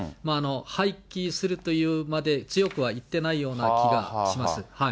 廃棄するというまで強くは言ってないような気はします。